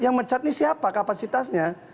yang mecat ini siapa kapasitasnya